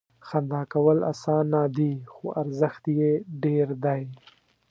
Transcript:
• خندا کول اسانه دي، خو ارزښت یې ډېر دی.